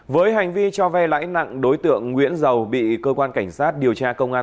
với hành vi cho vay lãi nặng đối tượng nguyễn dầu bị cơ quan cảnh sát điều tra công an